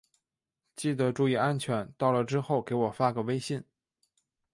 记得注意安全，到了之后给我发个微信。